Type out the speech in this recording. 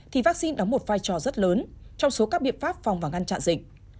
thì vắc xin đóng một vai trò rất lớn trong số các biện pháp phòng và ngăn chặn dịch